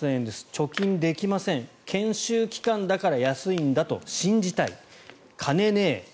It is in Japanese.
貯金ができません研修期間だから安いんだと信じたい金ねええええ